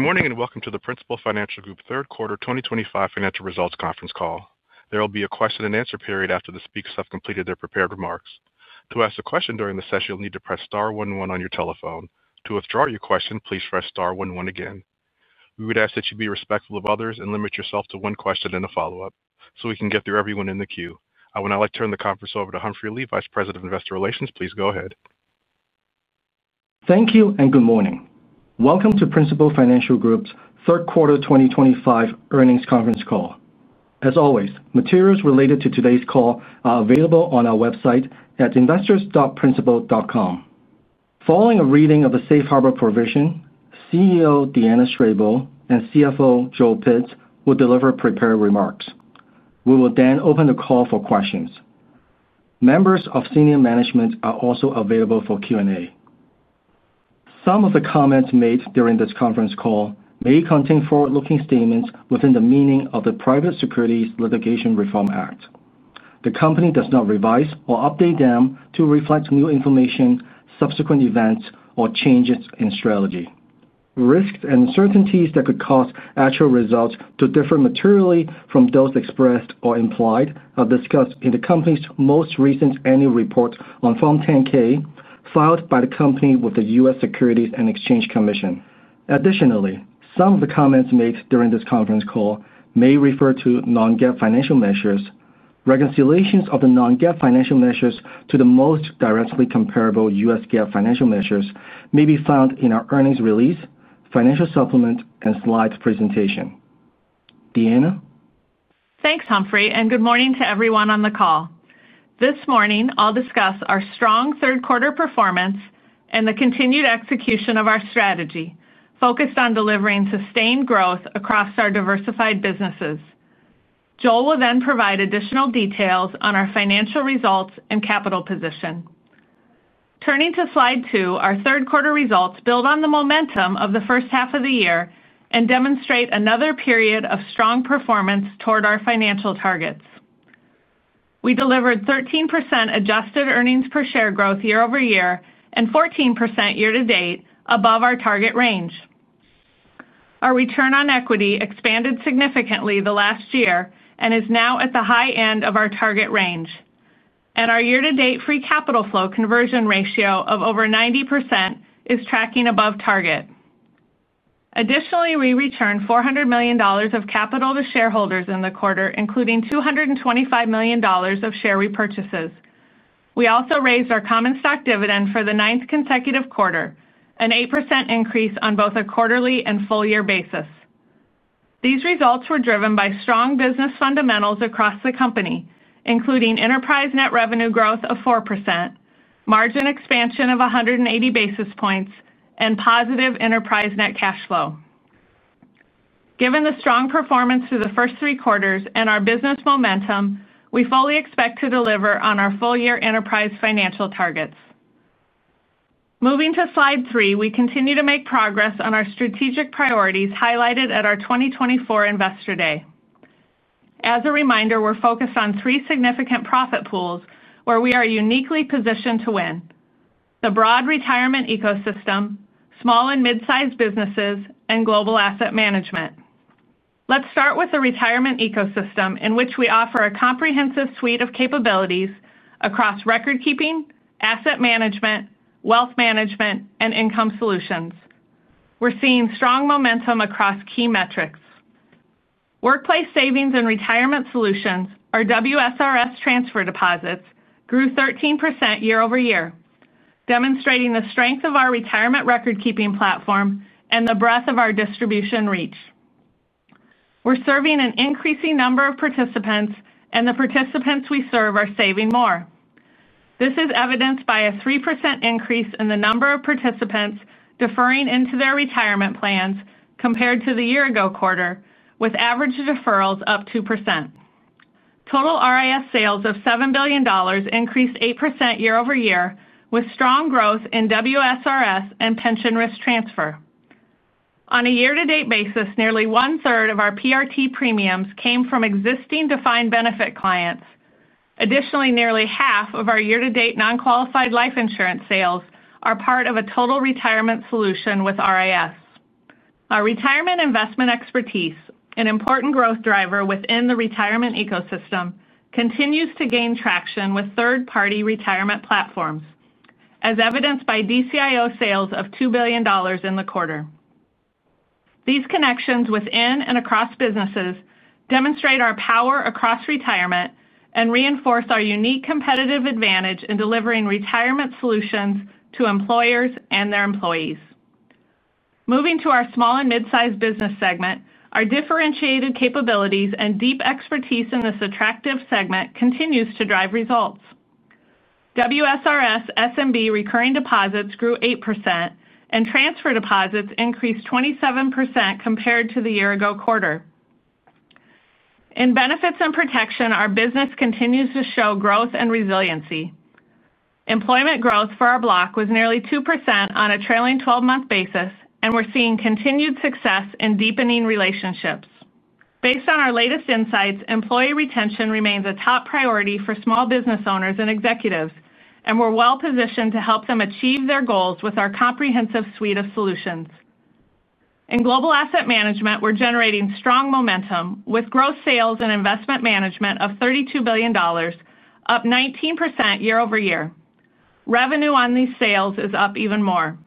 Good morning and welcome to the Principal Financial Group's third quarter 2025 financial results conference call. There will be a question-and-answer period after the speakers have completed their prepared remarks. To ask a question during the session, you'll need to press star one one on your telephone. To withdraw your question, please press star one one again. We would ask that you be respectful of others and limit yourself to one question in the follow-up so we can get through everyone in the queue. I would now like to turn the conference over to Humphrey Lee, Vice President of Investor Relations. Please go ahead. Thank you and good morning. Welcome to Principal Financial Group's third quarter 2025 earnings conference call. As always, materials related to today's call are available on our website at investors.principal.com. Following a reading of the Safe Harbor provision, CEO Deanna Strable and CFO Joel Pitz will deliver prepared remarks. We will then open the call for questions. Members of senior management are also available for Q&A. Some of the comments made during this conference call may contain forward-looking statements within the meaning of the Private Securities Litigation Reform Act. The company does not revise or update them to reflect new information, subsequent events, or changes in strategy. Risks and uncertainties that could cause actual results to differ materially from those expressed or implied are discussed in the company's most recent annual report on Form 10-K filed by the company with the U.S. Securities and Exchange Commission. Additionally, some of the comments made during this conference call may refer to non-GAAP financial measures. Reconciliations of the non-GAAP financial measures to the most directly comparable U.S. GAAP financial measures may be found in our earnings release, financial supplement, and slides presentation. Deanna? Thanks, Humphrey, and good morning to everyone on the call. This morning, I'll discuss our strong third-quarter performance and the continued execution of our strategy, focused on delivering sustained growth across our diversified businesses. Joel will then provide additional details on our financial results and capital position. Turning to slide two, our third-quarter results build on the momentum of the first half of the year and demonstrate another period of strong performance toward our financial targets. We delivered 13% adjusted earnings per share growth year-over-year and 14% year-to-date above our target range. Our return on equity expanded significantly the last year and is now at the high end of our target range. Our year-to-date free capital flow conversion ratio of over 90% is tracking above target. Additionally, we returned $400 million of capital to shareholders in the quarter, including $225 million of share repurchases. We also raised our common stock dividend for the ninth consecutive quarter, an 8% increase on both a quarterly and full-year basis. These results were driven by strong business fundamentals across the company, including enterprise net revenue growth of 4%, margin expansion of 180 basis points, and positive enterprise net cash flow. Given the strong performance through the first three quarters and our business momentum, we fully expect to deliver on our full-year enterprise financial targets. Moving to slide three, we continue to make progress on our strategic priorities highlighted at our 2024 Investor Day. As a reminder, we're focused on three significant profit pools where we are uniquely positioned to win: the broad retirement ecosystem, small and mid-sized businesses, and global asset management. Let's start with the retirement ecosystem, in which we offer a comprehensive suite of capabilities across recordkeeping, asset management, wealth management, and income solutions. We're seeing strong momentum across key metrics. Workplace Savings and Retirement Solutions, or WSRS, transfer deposits grew 13% year-over-year, demonstrating the strength of our retirement recordkeeping platform and the breadth of our distribution reach. We're serving an increasing number of participants, and the participants we serve are saving more. This is evidenced by a 3% increase in the number of participants deferring into their retirement plans compared to the year-ago quarter, with average deferrals up 2%. Total RIS sales of $7 billion increased 8% year-over-year, with strong growth in WSRS and pension risk transfer. On a year-to-date basis, nearly one-third of our PRT premiums came from existing defined benefit clients. Additionally, nearly half of our year-to-date non-qualified life insurance sales are part of a total retirement solution with RIS. Our retirement investment expertise, an important growth driver within the retirement ecosystem, continues to gain traction with third-party retirement platforms, as evidenced by DCIO sales of $2 billion in the quarter. These connections within and across businesses demonstrate our power across retirement and reinforce our unique competitive advantage in delivering retirement solutions to employers and their employees. Moving to our small and mid-sized business segment, our differentiated capabilities and deep expertise in this attractive segment continue to drive results. WSRS SMB recurring deposits grew 8%, and transfer deposits increased 27% compared to the year-ago quarter. In benefits and protection, our business continues to show growth and resiliency. Employment growth for our block was nearly 2% on a trailing 12-month basis, and we're seeing continued success in deepening relationships. Based on our latest insights, employee retention remains a top priority for small business owners and executives, and we're well-positioned to help them achieve their goals with our comprehensive suite of solutions. In global asset management, we're generating strong momentum with gross sales in investment management of $32 billion, up 19% year-over-year. Revenue on these sales is up even more.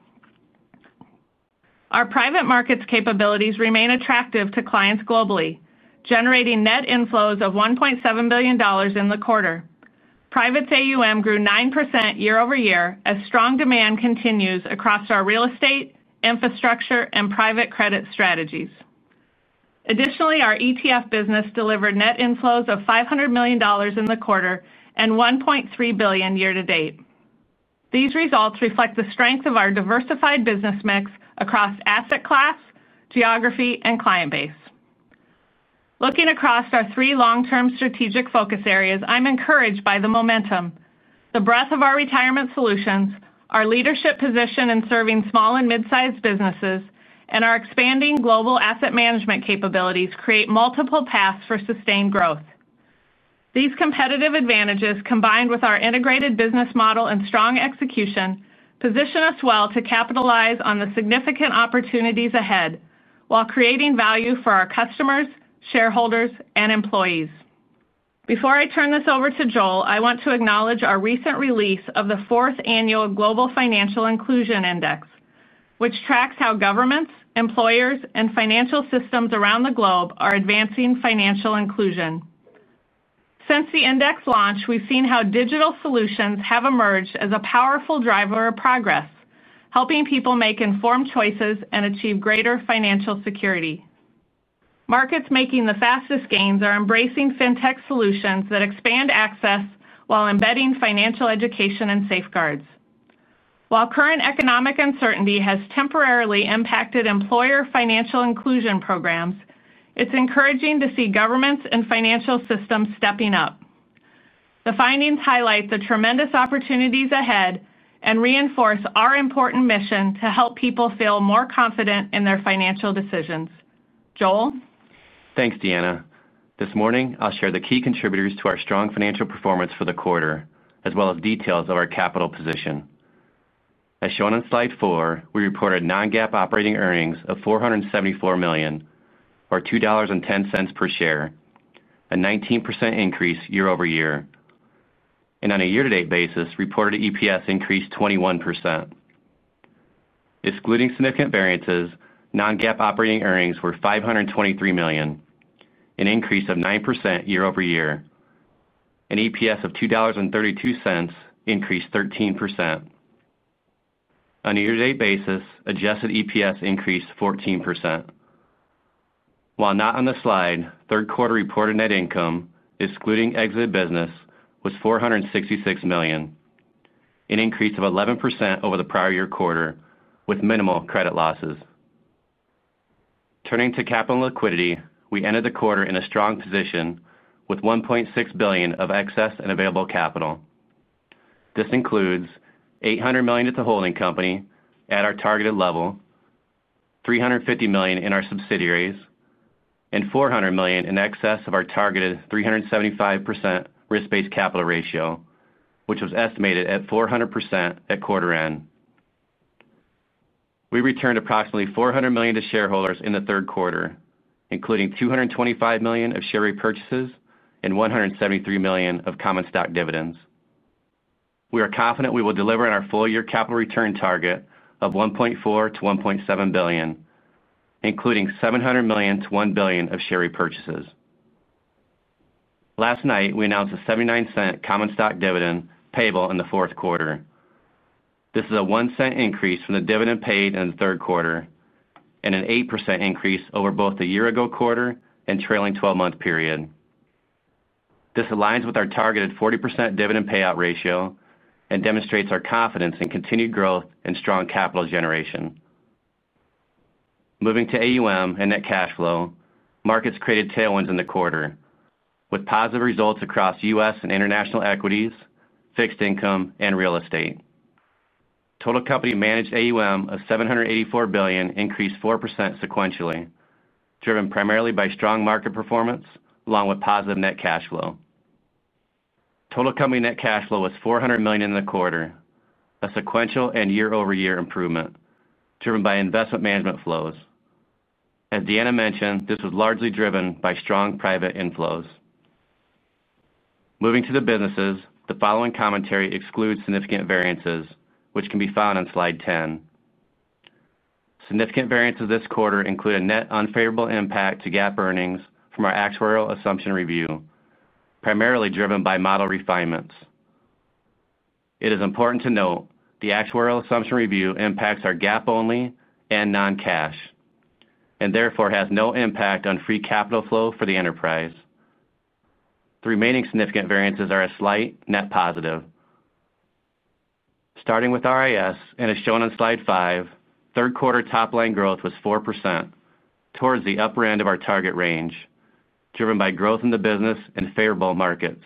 Our private markets capabilities remain attractive to clients globally, generating net inflows of $1.7 billion in the quarter. Private's AUM grew 9% year-over-year, as strong demand continues across our real estate, infrastructure, and private credit strategies. Additionally, our ETF business delivered net inflows of $500 million in the quarter and $1.3 billion year-to-date. These results reflect the strength of our diversified business mix across asset class, geography, and client base. Looking across our three long-term strategic focus areas, I'm encouraged by the momentum. The breadth of our retirement solutions, our leadership position in serving small and mid-sized businesses, and our expanding global asset management capabilities create multiple paths for sustained growth. These competitive advantages, combined with our integrated business model and strong execution, position us well to capitalize on the significant opportunities ahead while creating value for our customers, shareholders, and employees. Before I turn this over to Joel, I want to acknowledge our recent release of the Fourth Annual Global Financial Inclusion Index, which tracks how governments, employers, and financial systems around the globe are advancing financial inclusion. Since the index launch, we've seen how digital solutions have emerged as a powerful driver of progress, helping people make informed choices and achieve greater financial security. Markets making the fastest gains are embracing fintech solutions that expand access while embedding financial education and safeguards. While current economic uncertainty has temporarily impacted employer financial inclusion programs, it's encouraging to see governments and financial systems stepping up. The findings highlight the tremendous opportunities ahead and reinforce our important mission to help people feel more confident in their financial decisions. Joel? Thanks, Deanna. This morning, I'll share the key contributors to our strong financial performance for the quarter, as well as details of our capital position. As shown on slide four, we reported non-GAAP operating earnings of $474 million, or $2.10 per share, a 19% increase year-over-year. On a year-to-date basis, reported EPS increased 21%. Excluding significant variances, non-GAAP operating earnings were $523 million, an increase of 9% year-over-year, and EPS of $2.32 increased 13%. On a year-to-date basis, adjusted EPS increased 14%. While not on the slide, third-quarter reported net income, excluding exited business, was $466 million, an increase of 11% over the prior year quarter, with minimal credit losses. Turning to capital and liquidity, we ended the quarter in a strong position with $1.6 billion of excess and available capital. This includes $800 million at the holding company at our targeted level, $350 million in our subsidiaries, and $400 million in excess of our targeted 375% risk-based capital ratio, which was estimated at 400% at quarter end. We returned approximately $400 million to shareholders in the third quarter, including $225 million of share repurchases and $173 million of common stock dividends. We are confident we will deliver on our full-year capital return target of $1.4 billion-$1.7 billion, including $700 million-$1 billion of share repurchases. Last night, we announced a $0.79 common stock dividend payable in the fourth quarter. This is a $0.01 increase from the dividend paid in the third quarter and an 8% increase over both the year-ago quarter and trailing 12-month period. This aligns with our targeted 40% dividend payout ratio and demonstrates our confidence in continued growth and strong capital generation. Moving to AUM and net cash flow, markets created tailwinds in the quarter, with positive results across U.S. and international equities, fixed income, and real estate. Total company managed AUM of $784 billion increased 4% sequentially, driven primarily by strong market performance along with positive net cash flow. Total company net cash flow was $400 million in the quarter, a sequential and year-over-year improvement driven by investment management flows. As Deanna mentioned, this was largely driven by strong private inflows. Moving to the businesses, the following commentary excludes significant variances, which can be found on slide 10. Significant variances this quarter include a net unfavorable impact to GAAP earnings from our actuarial assumption review, primarily driven by model refinements. It is important to note the actuarial assumption review impacts our GAAP only and non-cash and therefore has no impact on free capital flow for the enterprise. The remaining significant variances are a slight net positive. Starting with RIS, and as shown on slide five, third-quarter top line growth was 4% towards the upper end of our target range, driven by growth in the business and favorable markets.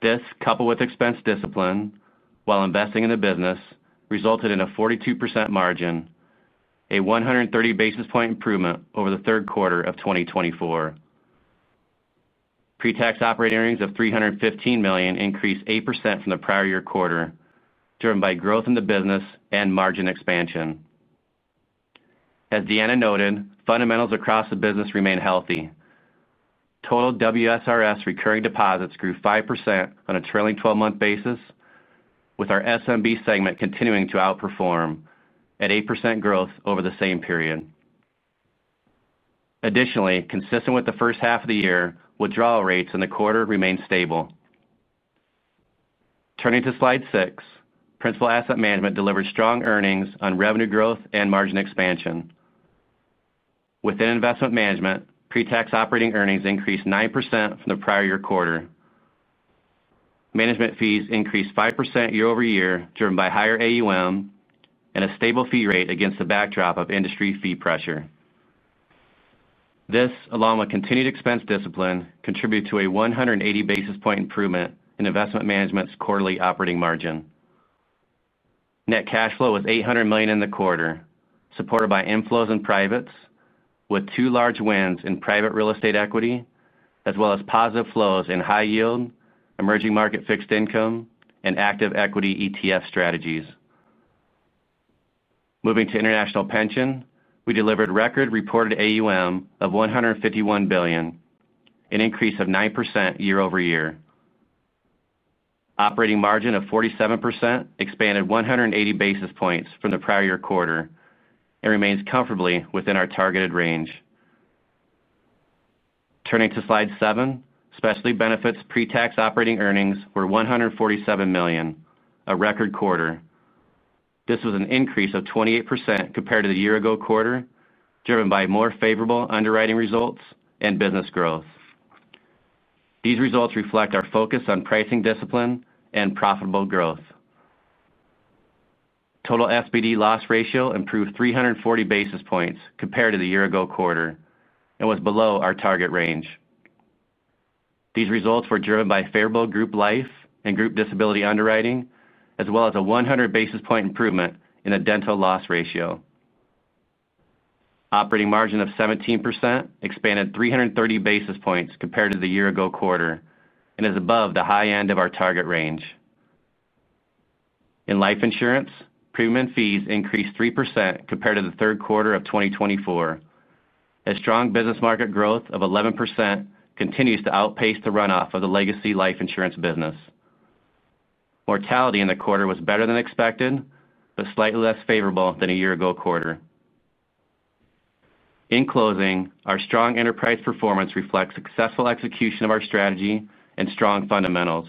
This, coupled with expense discipline while investing in the business, resulted in a 42% margin, a 130 basis point improvement over the third quarter of 2024. Pre-tax operating earnings of $315 million increased 8% from the prior year quarter, driven by growth in the business and margin expansion. As Deanna noted, fundamentals across the business remain healthy. Total WSRS recurring deposits grew 5% on a trailing 12-month basis, with our SMB segment continuing to outperform at 8% growth over the same period. Additionally, consistent with the first half of the year, withdrawal rates in the quarter remain stable. Turning to slide six, Principal Asset Management delivers strong earnings on revenue growth and margin expansion. Within investment management, pre-tax operating earnings increased 9% from the prior year quarter. Management fees increased 5% year-over-year, driven by higher AUM and a stable fee rate against the backdrop of industry fee pressure. This, along with continued expense discipline, contributed to a 180 basis point improvement in investment management's quarterly operating margin. Net cash flow was $800 million in the quarter, supported by inflows in privates, with two large wins in private real estate equity, as well as positive flows in high yield, emerging market fixed income, and active equity ETF strategies. Moving to international pension, we delivered record reported AUM of $151 billion, an increase of 9% year-over-year. Operating margin of 47% expanded 180 basis points from the prior year quarter and remains comfortably within our targeted range. Turning to slide seven, Specialty Benefits pre-tax operating earnings were $147 million, a record quarter. This was an increase of 28% compared to the year-ago quarter, driven by more favorable underwriting results and business growth. These results reflect our focus on pricing discipline and profitable growth. Total SBD loss ratio improved 340 basis points compared to the year-ago quarter and was below our target range. These results were driven by favorable group life and group disability underwriting, as well as a 100 basis point improvement in the dental loss ratio. Operating margin of 17% expanded 330 basis points compared to the year-ago quarter and is above the high end of our target range. In life insurance, premium fees increased 3% compared to the third quarter of 2024, as strong business market growth of 11% continues to outpace the runoff of the legacy life insurance business. Mortality in the quarter was better than expected, but slightly less favorable than a year-ago quarter. In closing, our strong enterprise performance reflects successful execution of our strategy and strong fundamentals.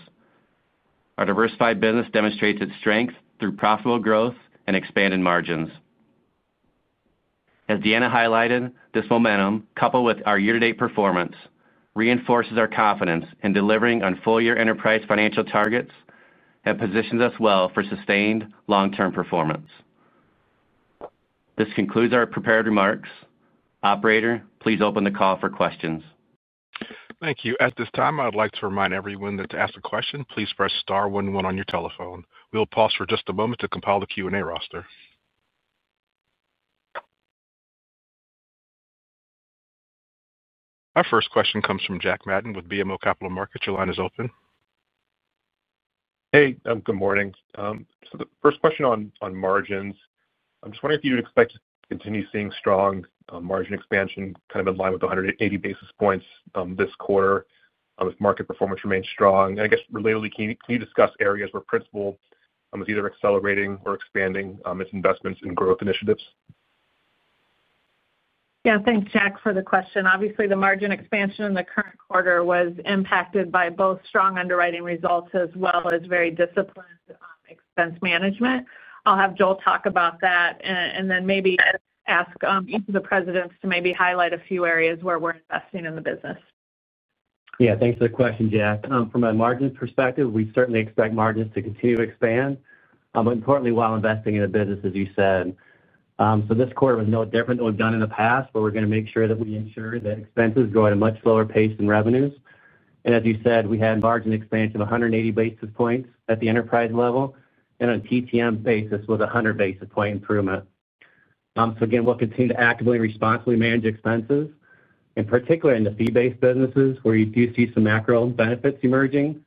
Our diversified business demonstrates its strength through profitable growth and expanded margins. As Deanna Strable highlighted, this momentum, coupled with our year-to-date performance, reinforces our confidence in delivering on full-year enterprise financial targets and positions us well for sustained long-term performance. This concludes our prepared remarks. Operator, please open the call for questions. Thank you. At this time, I would like to remind everyone that to ask a question, please press star one one on your telephone. We'll pause for just a moment to compile the Q&A roster. Our first question comes from Jack Matten with BMO Capital Markets. Your line is open. Good morning. The first question on margins. I'm just wondering if you'd expect to continue seeing strong margin expansion in line with the 180 basis points this quarter if market performance remains strong. Relatedly, can you discuss areas where Principal is either accelerating or expanding its investments in growth initiatives? Yeah, thanks, Jack, for the question. Obviously, the margin expansion in the current quarter was impacted by both strong underwriting results as well as very disciplined expense management. I'll have Joel talk about that and then maybe ask each of the Presidents to maybe highlight a few areas where we're investing in the business. Yeah, thanks for the question, Jack. From a margin perspective, we certainly expect margins to continue to expand, importantly, while investing in the business, as you said. This quarter was no different than what we've done in the past. We're going to make sure that we ensure that expenses grow at a much slower pace than revenues. As you said, we had margin expansion of 180 basis points at the enterprise level and on a PTM basis with a 100 basis point improvement. We'll continue to actively and responsibly manage expenses, in particular in the fee-based businesses where you do see some macro benefits emerging,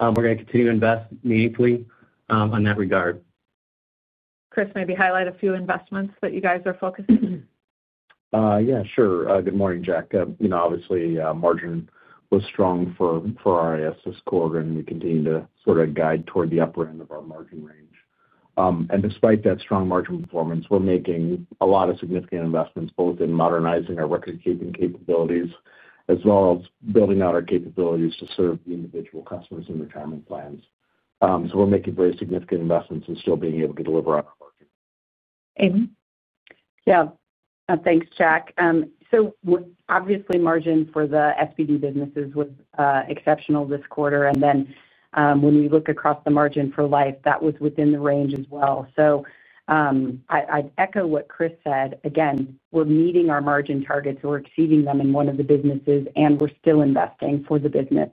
we're going to continue to invest meaningfully on that regard. Chris, maybe highlight a few investments that you guys are focusing on. Yeah, sure. Good morning, Jack. Obviously, margin was strong for RIS this quarter, and we continue to sort of guide toward the upper end of our margin range. Despite that strong margin performance, we're making a lot of significant investments both in modernizing our recordkeeping capabilities as well as building out our capabilities to serve the individual customers and retirement plans. We're making very significant investments in still being able to deliver on our margin. Amy? Yeah, thanks, Jack. Obviously, margin for the SBD businesses was exceptional this quarter. When we look across the margin for life, that was within the range as well. I'd echo what Chris said. We're meeting our margin targets, or we're exceeding them in one of the businesses, and we're still investing for the business.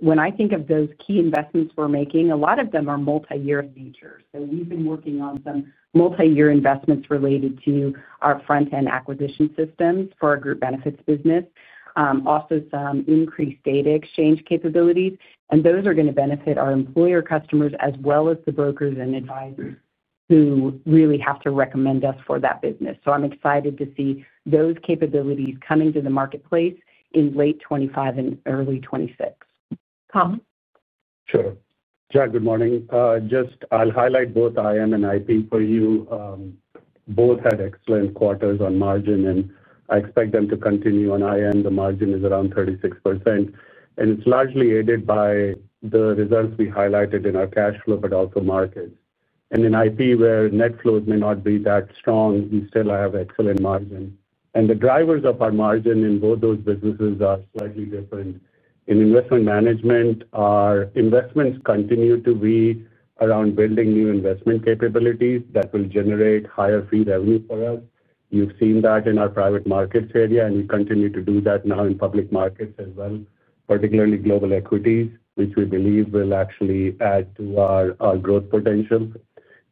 When I think of those key investments we're making, a lot of them are multi-year in nature. We've been working on some multi-year investments related to our front-end acquisition systems for our group benefits business, also some increased data exchange capabilities. Those are going to benefit our employer customers as well as the brokers and advisors who really have to recommend us for that business. I'm excited to see those capabilities coming to the marketplace in late 2025 and early 2026.? Sure. Jack, good morning. I'll highlight both IM and IP for you. Both had excellent quarters on margin, and I expect them to continue. On IM, the margin is around 36%, and it's largely aided by the results we highlighted in our cash flow, but also markets. In IP, where net flows may not be that strong, we still have excellent margin. The drivers of our margin in both those businesses are slightly different. In investment management, our investments continue to be around building new investment capabilities that will generate higher free revenue for us. You've seen that in our private markets area, and we continue to do that now in public markets as well, particularly global equities, which we believe will actually add to our growth potential.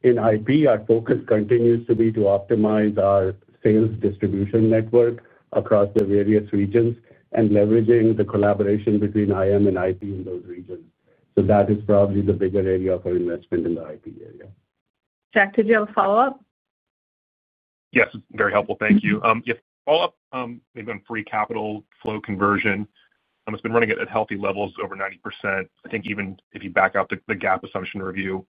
In IP, our focus continues to be to optimize our sales distribution network across the various regions and leveraging the collaboration between IM and IP in those regions. That is probably the bigger area for investment in the IP area. Jack, did you have a follow-up? Yes, very helpful. Thank you. Yeah, follow-up maybe on free capital flow conversion. It's been running at healthy levels over 90%. I think even if you back out the GAAP assumption review,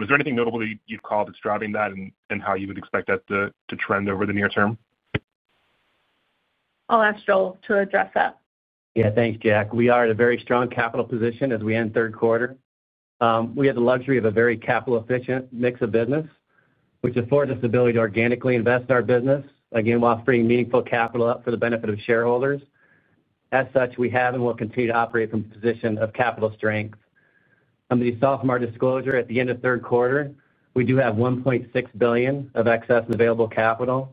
is there anything notable that you'd call that's driving that and how you would expect that to trend over the near term? I'll ask Joel to address that. Yeah, thanks, Jack. We are at a very strong capital position as we end third quarter. We have the luxury of a very capital-efficient mix of business, which affords us the ability to organically invest our business, again, while freeing meaningful capital up for the benefit of shareholders. As such, we have and will continue to operate from a position of capital strength. As you saw from our disclosure at the end of third quarter, we do have $1.6 billion of excess and available capital.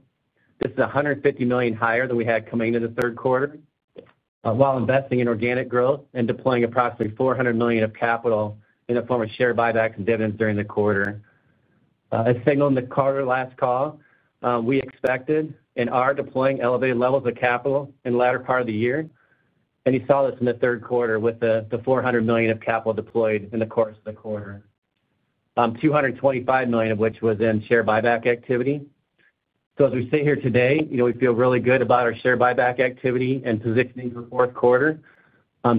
This is $150 million higher than we had coming into the third quarter, while investing in organic growth and deploying approximately $400 million of capital in the form of share buybacks and dividends during the quarter. As signaled in the quarter last call, we expected and are deploying elevated levels of capital in the latter part of the year. You saw this in the third quarter with the $400 million of capital deployed in the course of the quarter, $225 million of which was in share buyback activity. As we sit here today, you know we feel really good about our share buyback activity and positioning for the fourth quarter.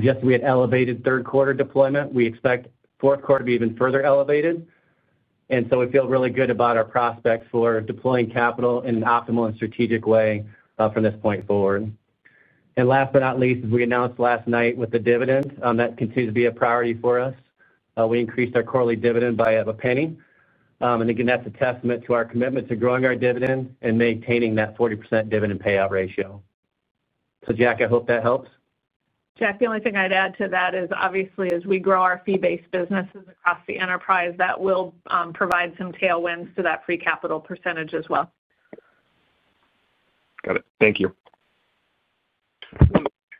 Just as we had elevated third-quarter deployment, we expect the fourth quarter to be even further elevated. We feel really good about our prospects for deploying capital in an optimal and strategic way from this point forward. Last but not least, as we announced last night with the dividend that continues to be a priority for us, we increased our quarterly dividend by a penny. That's a testament to our commitment to growing our dividend and maintaining that 40% dividend payout ratio. Jack, I hope that helps. Jack, the only thing I'd add to that is, obviously, as we grow our fee-based businesses across the enterprise, that will provide some tailwinds to that free capital percentage as well. Got it. Thank you.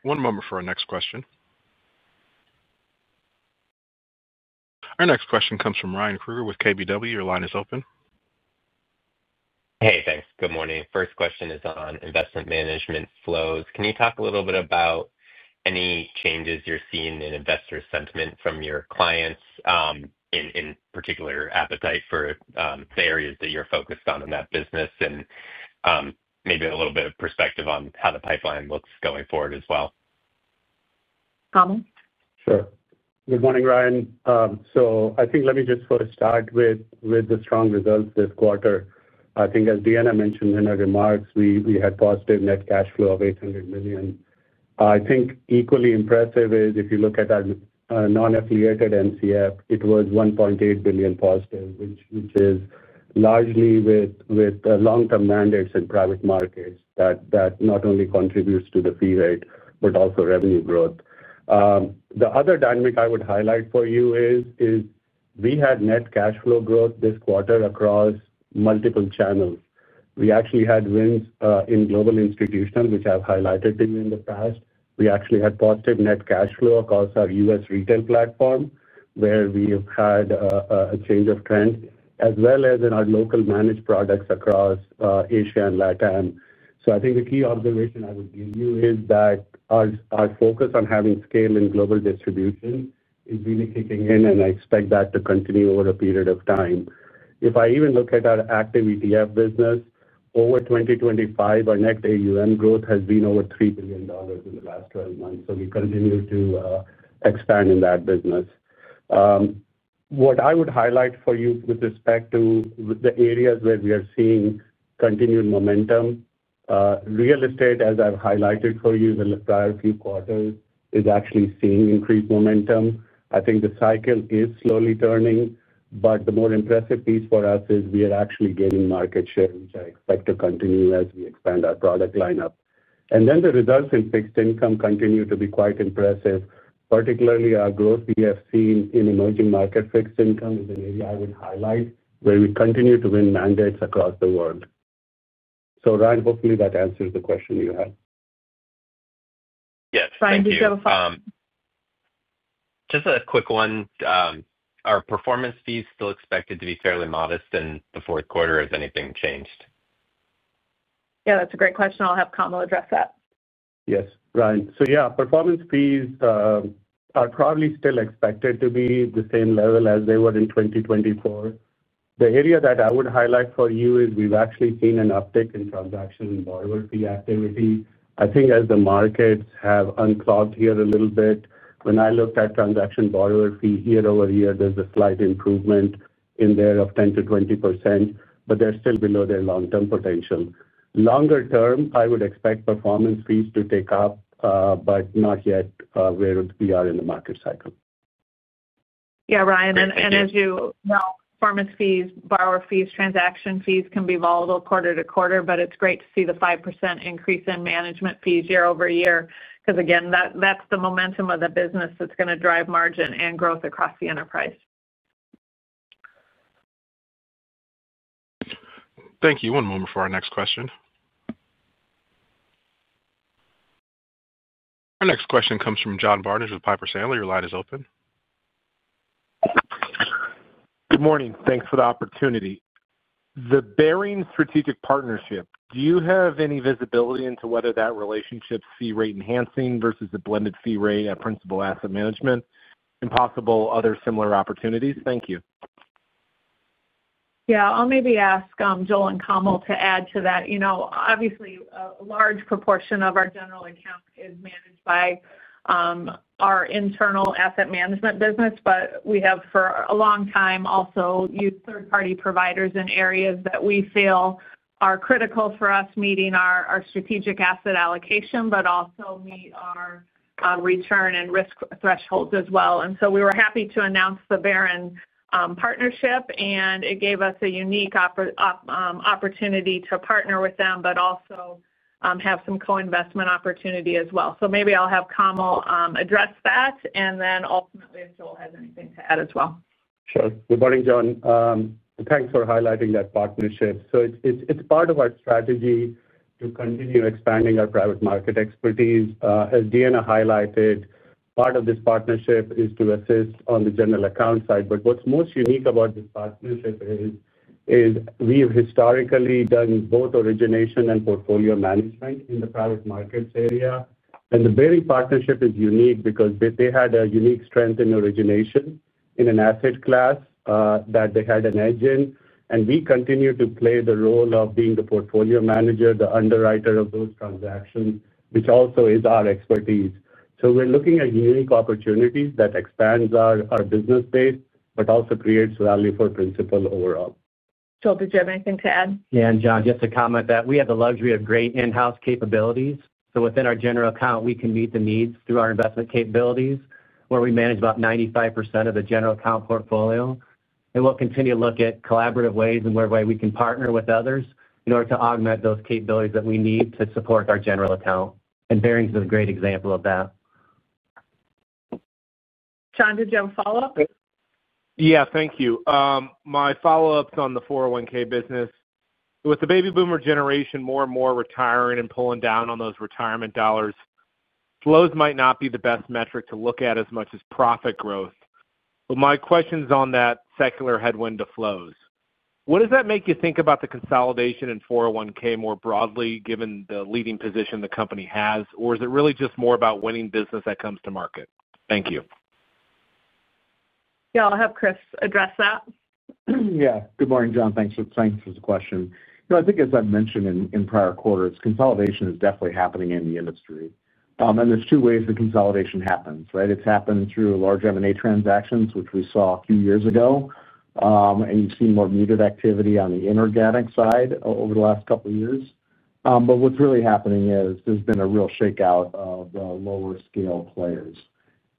One moment for our next question. Our next question comes from Ryan Kruger with KBW. Your line is open. Hey, thanks. Good morning. First question is on investment management flows. Can you talk a little bit about any changes you're seeing in investor sentiment from your clients, in particular appetite for the areas that you're focused on in that business, and maybe a little bit of perspective on how the pipeline looks going forward as well? Kam? Sure. Good morning, Ryan. I think let me just first start with the strong results this quarter. I think, as Deanna mentioned in her remarks, we had positive net cash flow of $800 million. I think equally impressive is if you look at our non-affiliated NCF, it was $1.8 billion positive, which is largely with long-term mandates in private markets that not only contributes to the fee rate, but also revenue growth. The other dynamic I would highlight for you is we had net cash flow growth this quarter across multiple channels. We actually had wins in global institutions, which I've highlighted to you in the past. We actually had positive net cash flow across our U.S. retail platform, where we have had a change of trend, as well as in our local managed products across Asia and LatAm. I think the key observation I would give you is that our focus on having scale in global distribution is really kicking in, and I expect that to continue over a period of time. If I even look at our active ETF business, over 2025, our net AUM growth has been over $3 billion in the last 12 months. We continue to expand in that business. What I would highlight for you with respect to the areas where we are seeing continued momentum, real estate, as I've highlighted for you in the prior few quarters, is actually seeing increased momentum. I think the cycle is slowly turning, but the more impressive piece for us is we are actually gaining market share, which I expect to continue as we expand our product lineup. The results in fixed income continue to be quite impressive, particularly our growth we have seen in emerging market fixed income is an area I would highlight where we continue to win mandates across the world. Ryan, hopefully that answers the question you had. Yeah, Ryan, did you have a follow-up? Just a quick one. Are performance fees still expected to be fairly modest in the fourth quarter? Has anything changed? Yeah, that's a great question. I'll have Kamal address that. Yes, Ryan. Performance fees are probably still expected to be the same level as they were in 2024. The area that I would highlight for you is we've actually seen an uptick in transaction and borrower fee activity. I think as the markets have unclogged here a little bit, when I looked at transaction borrower fee year-over-year, there's a slight improvement in there of 10%-20%, but they're still below their long-term potential. Longer-term, I would expect performance fees to take up, but not yet where we are in the market cycle. Yeah, Ryan, as you know, performance fees, borrower fees, transaction fees can be volatile quarter to quarter, but it's great to see the 5% increase in management fees year-over-year because again, that's the momentum of the business that's going to drive margin and growth across the enterprise. Thank you. One moment for our next question. Our next question comes from John Barnidge with Piper Sandler. Your line is open. Good morning. Thanks for the opportunity. The Bering Strategic Partnership, do you have any visibility into whether that relationship's fee rate enhancing versus a blended fee rate at Principal Asset Management and possible other similar opportunities? Thank you. Yeah, I'll maybe ask Joel and Kamal to add to that. Obviously, a large proportion of our general account is managed by our internal asset management business, but we have for a long time also used third-party providers in areas that we feel are critical for us meeting our strategic asset allocation, but also meet our return and risk thresholds as well. We were happy to announce the Bering Partnership, and it gave us a unique opportunity to partner with them, but also have some co-investment opportunity as well. Maybe I'll have Kamal address that, and then ultimately, if Joel has anything to add as well. Sure. Good morning, John. Thanks for highlighting that partnership. It is part of our strategy to continue expanding our private market expertise. As Deanna highlighted, part of this partnership is to assist on the general account side. What is most unique about this partnership is we have historically done both origination and portfolio management in the private markets area. The Bering Partnership is unique because they had a unique strength in origination in an asset class that they had an edge in. We continue to play the role of being the portfolio manager, the underwriter of those transactions, which also is our expertise. We are looking at unique opportunities that expand our business base, but also create value for Principal Financial Group overall. Joel, did you have anything to add? Yeah, John, just to comment that we have the luxury of great in-house capabilities. Within our general account, we can meet the needs through our investment capabilities, where we manage about 95% of the general account portfolio. We will continue to look at collaborative ways in which we can partner with others in order to augment those capabilities that we need to support our general account. Barings is a great example of that. John, did you have a follow-up? Thank you. My follow-up is on the 401k business. With the baby boomer generation more and more retiring and pulling down on those retirement dollars, flows might not be the best metric to look at as much as profit growth. My question is on that secular headwind to flows. What does that make you think about the consolidation in 401k more broadly, given the leading position the company has, or is it really just more about winning business that comes to market? Thank you. Yeah, I'll have Chris address that. Yeah, good morning, John. Thanks for the question. I think as I've mentioned in prior quarters, consolidation is definitely happening in the industry. There are two ways that consolidation happens, right? It's happened through large M&A transactions, which we saw a few years ago. You've seen more muted activity on the inorganic side over the last couple of years. What's really happening is there's been a real shakeout of the lower scale players.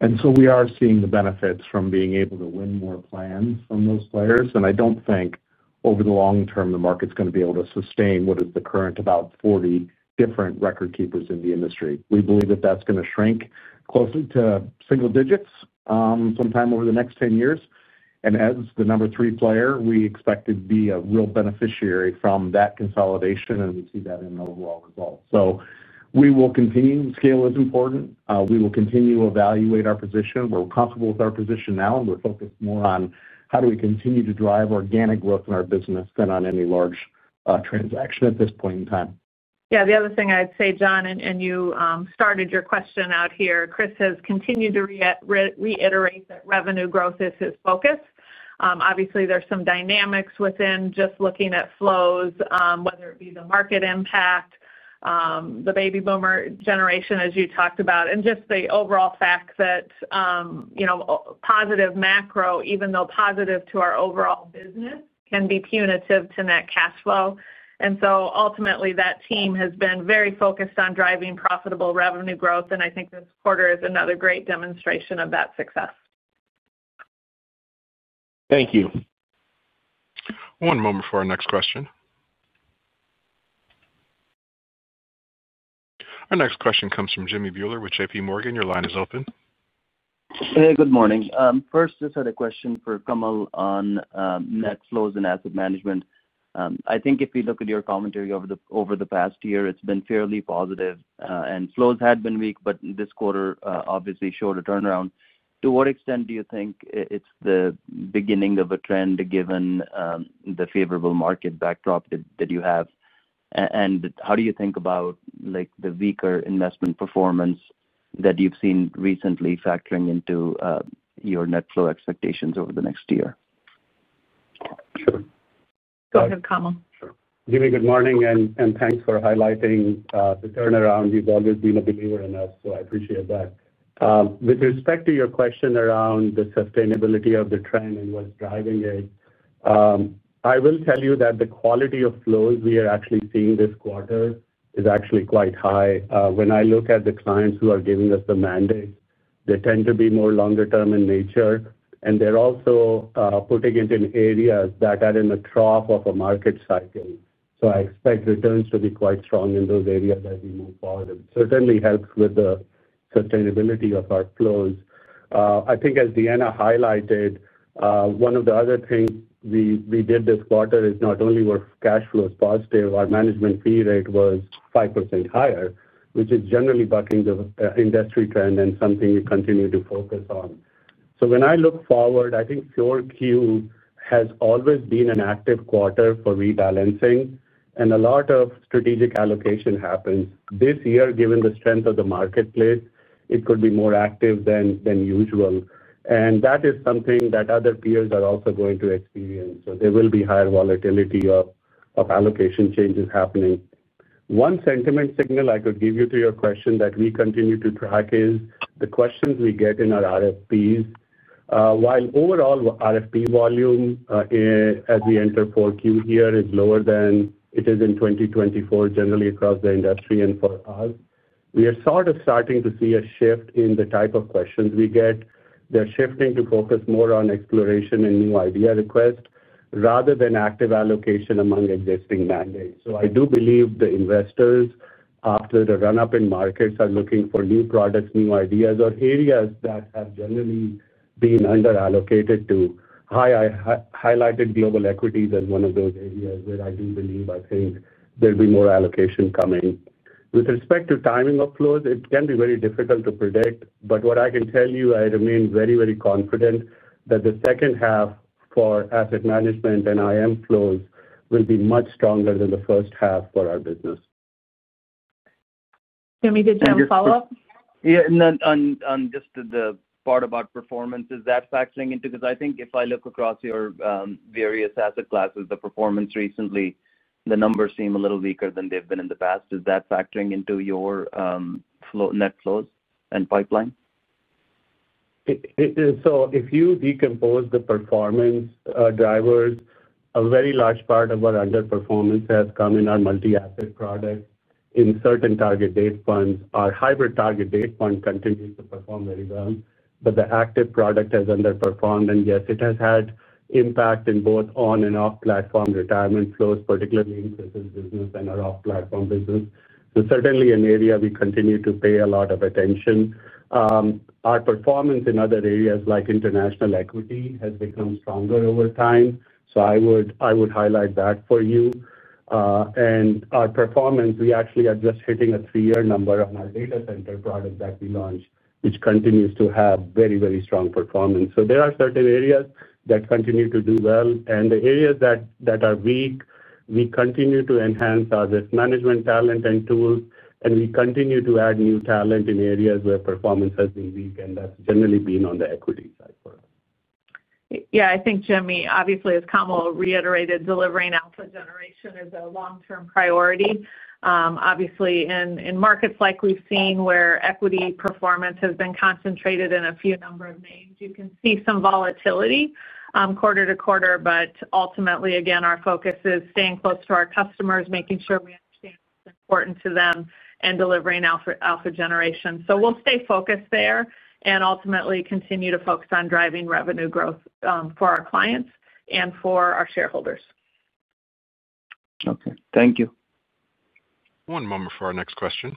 We are seeing the benefits from being able to win more plans from those players. I don't think over the long term, the market's going to be able to sustain what is the current about 40 different recordkeepers in the industry. We believe that that's going to shrink closer to single digits sometime over the next 10 years. As the number three player, we expect to be a real beneficiary from that consolidation, and we see that in the overall results. We will continue. Scale is important. We will continue to evaluate our position. We're comfortable with our position now, and we're focused more on how do we continue to drive organic growth in our business than on any large transaction at this point in time. Yeah, the other thing I'd say, John, and you started your question out here, Chris has continued to reiterate that revenue growth is his focus. Obviously, there's some dynamics within just looking at flows, whether it be the market impact, the baby boomer generation, as you talked about, and just the overall fact that, you know, positive macro, even though positive to our overall business, can be punitive to net cash flow. Ultimately, that team has been very focused on driving profitable revenue growth, and I think this quarter is another great demonstration of that success. Thank you. One moment for our next question. Our next question comes from Jimmy Bhuller with JPMorgan. Your line is open. Hey, good morning. First, just had a question for Kamal on net flows and asset management. I think if we look at your commentary over the past year, it's been fairly positive, and flows had been weak, but this quarter obviously showed a turnaround. To what extent do you think it's the beginning of a trend given the favorable market backdrop that you have? How do you think about the weaker investment performance that you've seen recently factoring into your net flow expectations over the next year? Sure. Go ahead, Kamal. Sure. Jimmy, good morning, and thanks for highlighting the turnaround. You've always been a believer in us, so I appreciate that. With respect to your question around the sustainability of the trend and what's driving it, I will tell you that the quality of flows we are actually seeing this quarter is quite high. When I look at the clients who are giving us the mandates, they tend to be more longer-term in nature, and they're also putting it in areas that are in a trough of a market cycle. I expect returns to be quite strong in those areas as we move forward. It certainly helps with the sustainability of our flows. I think, as Deanna highlighted, one of the other things we did this quarter is not only were cash flows positive, our management fee rate was 5% higher, which is generally bucking the industry trend and something we continue to focus on. When I look forward, I think Q4 has always been an active quarter for rebalancing, and a lot of strategic allocation happens. This year, given the strength of the marketplace, it could be more active than usual. That is something that other peers are also going to experience. There will be higher volatility of allocation changes happening. One sentiment signal I could give you to your question that we continue to track is the questions we get in our RFPs. While overall RFP volume as we enter Q4 here is lower than it is in 2024, generally across the industry and for us, we are sort of starting to see a shift in the type of questions we get. They're shifting to focus more on exploration and new idea requests rather than active allocation among existing mandates. I do believe the investors, after the run-up in markets, are looking for new products, new ideas, or areas that have generally been under-allocated to. I highlighted global equities as one of those areas where I do believe I think there'll be more allocation coming. With respect to timing of flows, it can be very difficult to predict, but what I can tell you, I remain very, very confident that the second half for asset management and IM flows will be much stronger than the first half for our business. Jimmy, did you have a follow-up? Yeah, on just the part about performance, is that factoring into, because I think if I look across your various asset classes, the performance recently, the numbers seem a little weaker than they've been in the past. Is that factoring into your net flows and pipeline? If you decompose the performance drivers, a very large part of our underperformance has come in our multi-asset products. In certain target date funds, our hybrid target date fund continues to perform very well, but the active product has underperformed. Yes, it has had impact in both on and off-platform retirement flows, particularly in business and our off-platform business. Certainly an area we continue to pay a lot of attention. Our performance in other areas like international equity has become stronger over time. I would highlight that for you. Our performance, we actually are just hitting a three-year number on our data center product that we launched, which continues to have very, very strong performance. There are certain areas that continue to do well. The areas that are weak, we continue to enhance our risk management talent and tools, and we continue to add new talent in areas where performance has been weak. That's generally been on the equity side for us. I think, Jimmy, obviously, as Kamal reiterated, delivering alpha generation is a long-term priority. Obviously, in markets like we've seen where equity performance has been concentrated in a few number of names, you can see some volatility quarter to quarter. Ultimately, again, our focus is staying close to our customers, making sure we understand what's important to them, and delivering alpha generation. We'll stay focused there and ultimately continue to focus on driving revenue growth for our clients and for our shareholders. Okay, thank you. One moment for our next question.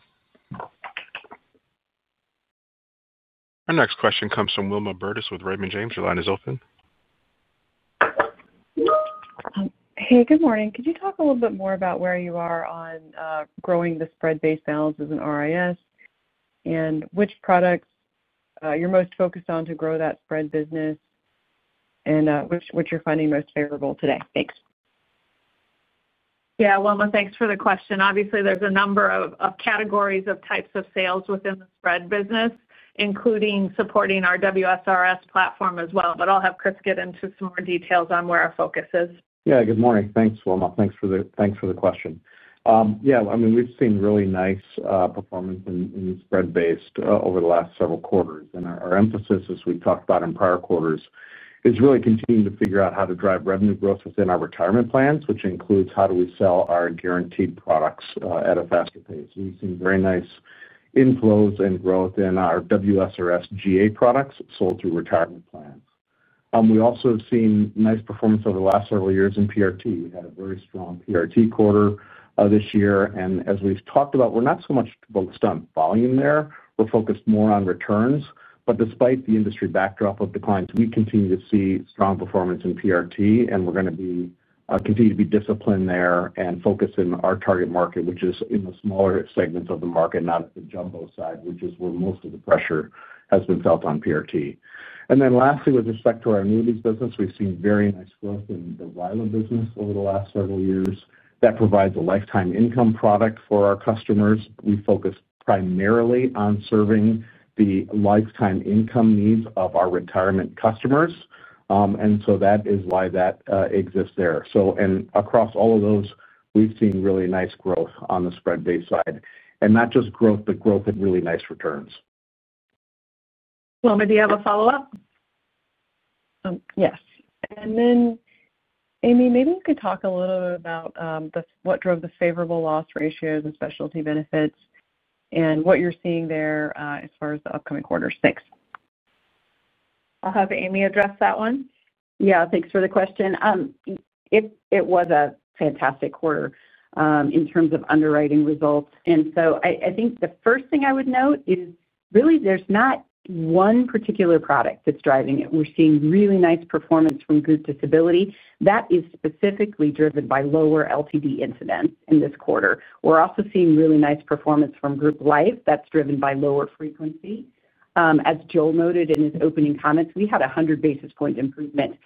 Our next question comes from Wilma Burdis with Raymond James. Your line is open. Hey, good morning. Could you talk a little bit more about where you are on growing the spread-based balances in RIS and which products you're most focused on to grow that spread business and which you're finding most favorable today? Thanks. Yeah, Wilma, thanks for the question. Obviously, there's a number of categories of types of sales within the spread business, including supporting our WSRS platform as well. I'll have Chris get into some more details on where our focus is. Good morning. Thanks, Wilma. Thanks for the question. We've seen really nice performance in spread-based over the last several quarters. Our emphasis, as we've talked about in prior quarters, is really continuing to figure out how to drive revenue growth within our retirement plans, which includes how do we sell our guaranteed products at a faster pace. We've seen very nice inflows and growth in our WRS GA products sold through retirement plans. We also have seen nice performance over the last several years in pension risk transfer. We had a very strong pension risk transfer quarter this year. As we've talked about, we're not so much focused on volume there. We're focused more on returns. Despite the industry backdrop of declines, we continue to see strong performance in pension risk transfer, and we're going to continue to be disciplined there and focus in our target market, which is in the smaller segments of the market, not at the jumbo side, which is where most of the pressure has been felt on pension risk transfer. Lastly, with respect to our annuities business, we've seen very nice growth in the RILA business over the last several years. That provides a lifetime income product for our customers. We focus primarily on serving the lifetime income needs of our retirement customers. That is why that exists there. Across all of those, we've seen really nice growth on the spread-based side, and not just growth, but growth at really nice returns. Wilma, do you have a follow-up? Yes. Amy, maybe you could talk a little bit about what drove the favorable loss ratios in Specialty Benefits and what you're seeing there as far as the upcoming quarter. Thanks. I'll have Amy address that one. Yeah, thanks for the question. It was a fantastic quarter in terms of underwriting results. I think the first thing I would note is really there's not one particular product that's driving it. We're seeing really nice performance from group disability. That is specifically driven by lower LTD incidents in this quarter. We're also seeing really nice performance from group life. That's driven by lower frequency. As Joel noted in his opening comments, we had a 100 basis point improvement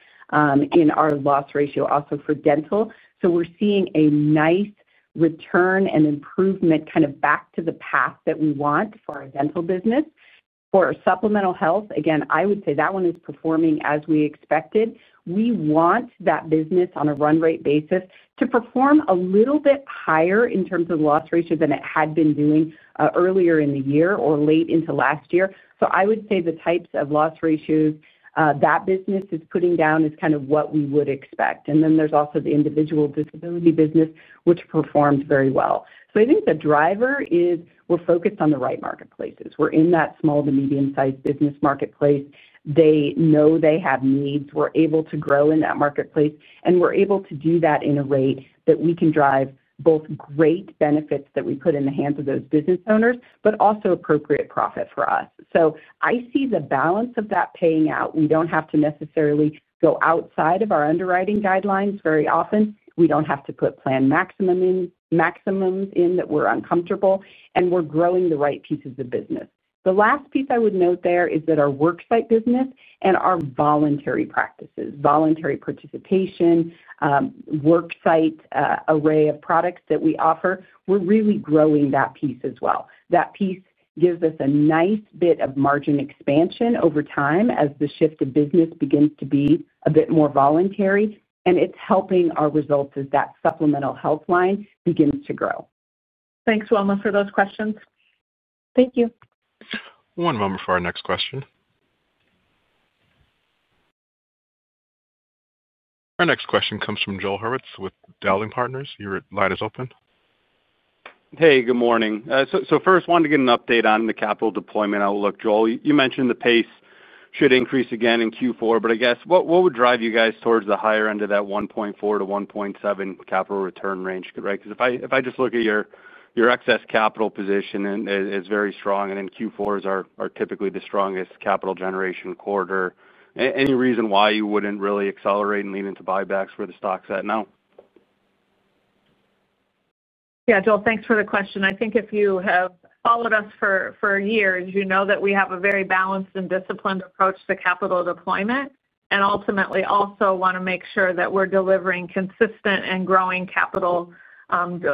in our loss ratio also for dental. We're seeing a nice return and improvement, kind of back to the path that we want for our dental business. For our supplemental health, again, I would say that one is performing as we expected. We want that business on a run-rate basis to perform a little bit higher in terms of loss ratio than it had been doing earlier in the year or late into last year. I would say the types of loss ratios that business is putting down is kind of what we would expect. There's also the individual disability business, which performs very well. I think the driver is we're focused on the right marketplaces. We're in that small to medium-sized business marketplace. They know they have needs. We're able to grow in that marketplace. We're able to do that in a rate that we can drive both great benefits that we put in the hands of those business owners, but also appropriate profit for us. I see the balance of that paying out. We don't have to necessarily go outside of our underwriting guidelines very often. We don't have to put planned maximums in that we're uncomfortable. We're growing the right pieces of business. The last piece I would note there is that our worksite business and our voluntary practices, voluntary participation, worksite array of products that we offer, we're really growing that piece as well. That piece gives us a nice bit of margin expansion over time as the shift of business begins to be a bit more voluntary. It's helping our results as that supplemental health line begins to grow. Thanks, Wilma, for those questions. Thank you. One moment for our next question. Our next question comes from Joel Hurwitz with Dowling & Partners Good morning. I wanted to get an update on the capital deployment outlook. Joel, you mentioned the pace should increase again in Q4. What would drive you guys towards the higher end of that $1.4 billion-$1.7 billion capital return range? If I just look at your excess capital position, it's very strong. Q4s are typically the strongest capital generation quarter. Any reason why you wouldn't really accelerate and lean into buybacks where the stock's at now? Yeah, Joel, thanks for the question. I think if you have followed us for years, you know that we have a very balanced and disciplined approach to capital deployment. Ultimately, also want to make sure that we're delivering consistent and growing capital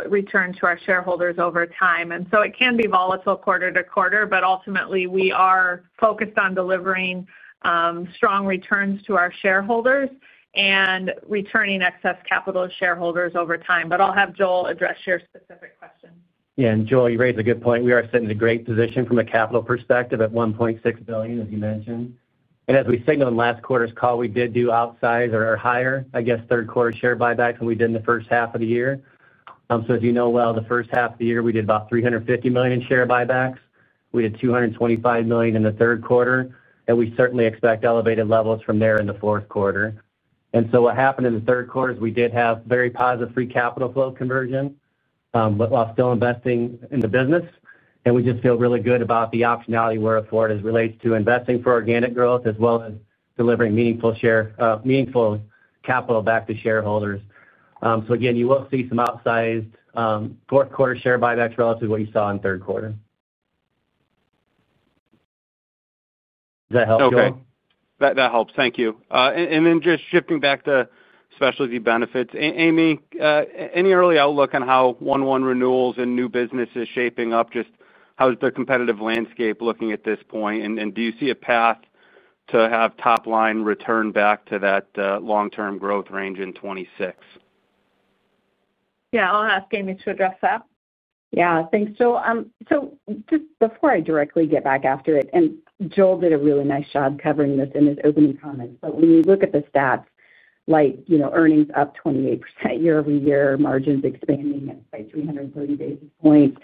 return to our shareholders over time. It can be volatile quarter to quarter, but ultimately, we are focused on delivering strong returns to our shareholders and returning excess capital to shareholders over time. I'll have Joel address your specific question. Yeah, Joel, you raised a good point. We are sitting in a great position from a capital perspective at $1.6 billion, as you mentioned. As we signaled in last quarter's call, we did do outsized or higher, I guess, third-quarter share buybacks than we did in the first half of the year. As you know well, the first half of the year, we did about $350 million in share buybacks. We did $225 million in the third quarter. We certainly expect elevated levels from there in the fourth quarter. What happened in the third quarter is we did have very positive free capital flow conversion, while still investing in the business. We just feel really good about the optionality we're afforded as it relates to investing for organic growth, as well as delivering meaningful capital back to shareholders. Again, you will see some outsized fourth-quarter share buybacks relative to what you saw in third quarter. Does that help, Joel? That helps. Thank you. Just shifting back to Specialty Benefits, Amy, any early outlook on how 1/1 renewals and new business is shaping up? How is the competitive landscape looking at this point? Do you see a path to have top line return back to that long-term growth range in 2026? Yeah, I'll ask Amy Friedrich to address that. Yeah, thanks, Joel. Just before I directly get back after it, and Joel did a really nice job covering this in his opening comments. When you look at the stats, like earnings up 28% year-over-year, margins expanding by 330 basis points,